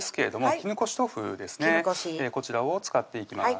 絹こしこちらを使っていきます